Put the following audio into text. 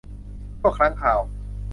ชั่วครั้งคราว